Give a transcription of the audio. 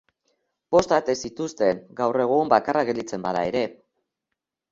Bost ate zituzten, gaur egun bakarra gelditzen bada ere.